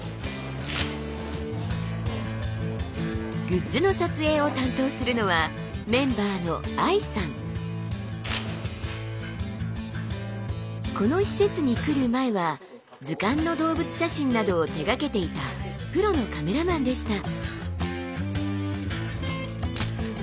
グッズの撮影を担当するのはこの施設に来る前は図鑑の動物写真などを手がけていたプロのカメラマンでした。